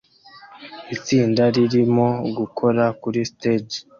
Itsinda ririmo gukora kuri stage